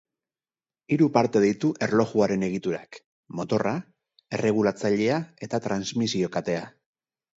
Hiru parte ditu erlojuaren egiturak: motorra, erregulatzailea eta transmisio katea.